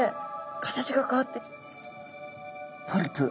形が変わってポリプ。